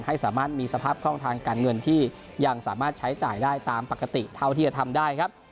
ให้สามารถมีสภาพคล่องทางการเงินที่ยังสามารถใช้จ่ายได้ตามปกติเท่าที่จะทำได้ครับ